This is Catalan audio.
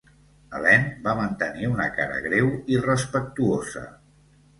Helene va mantenir una cara greu i respectuosa.